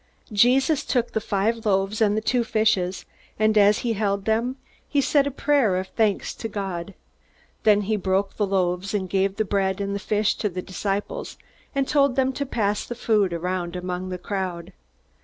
Jesus took the five loaves and the two fishes, and as he held them, he said a prayer of thanks to God. Then he broke the loaves, and gave the bread and the fish to the disciples and told them to pass the food around among the crowd.